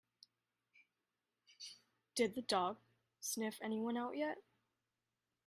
Did the dog sniff anyone out yet?